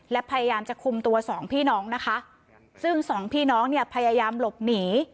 และพยายามจะคุมตัวสองพี่น้องนะคะซึ่งสองพี่น้องเนี่ยพยายามหลบหนี